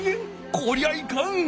こりゃいかん！